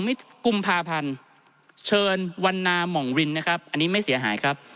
๒๒มิคุมภาพันธ์เชิญวันนาหม่องรินอันนี้ไม่เสียหายครับ